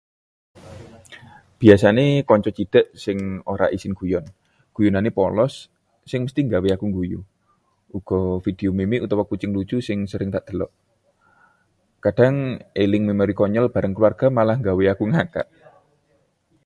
Biasane kanca cedhak sing ora isin guyon, guyonané polos sing mesthi nggawe aku ngguyu. Uga video meme utawa kucing lucu sing sering dakdelok. Kadhang eling memori konyol bareng keluarga malah nggawe aku ngakak.